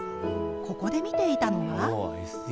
ここで見ていたのは。